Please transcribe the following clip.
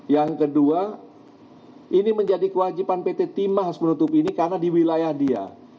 yang kedua ini menjadi kewajiban pt timah harus menutupi ini karena di wilayah dia